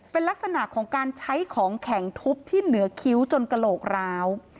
เป็นลักษณะของการใช้ของแข็งทุบที่เหนือคิ้วจนกระโหลกร้าว